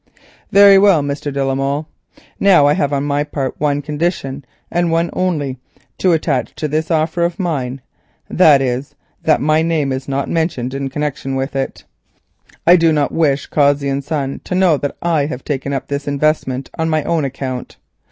"Very well, Mr. de la Molle. Now I have on my part one condition and one only to attach to this offer of mine, which is that my name is not mentioned in connection with it. I do not wish Cossey and Son to know that I have taken up this investment on my own account.